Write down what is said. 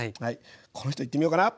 この人いってみようかな。